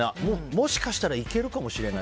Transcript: もしかしたらいけるかもしれない。